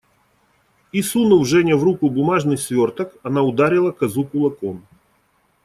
И, сунув Жене в руку бумажный сверток, она ударила козу кулаком.